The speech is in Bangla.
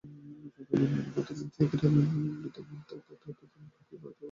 যতদিন ত্যাগীরা বিদ্যাদান করেছেন, ততদিন ভারতের কল্যাণ ছিল।